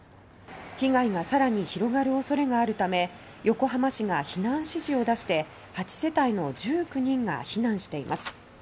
被害がさらに広がる恐れがあるため横浜市が避難指示を出して８世帯の１９人が避難しています。